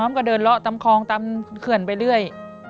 ก็เดินเลาะตามคลองตามเขื่อนไปเรื่อย